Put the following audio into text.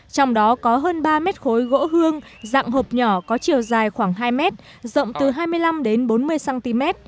gỗ này có hơn ba mét khối gỗ hương dạng hộp nhỏ có chiều dài khoảng hai mét rộng từ hai mươi năm bốn mươi cm